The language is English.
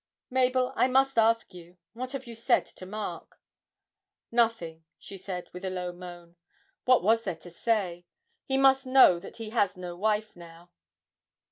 Mabel, I must ask you: What have you said to Mark?' 'Nothing,' she said, with a low moan, 'what was there to say? He must know that he has no wife now.'